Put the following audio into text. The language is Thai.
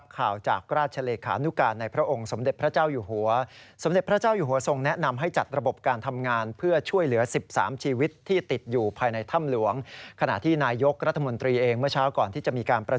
คุณผู้ชมครับรัฐมนตรีว่าการกระทรวงมหาภัย